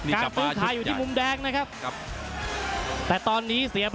โอ้โหโอ้โหโอ้โหโอ้โหโอ้โห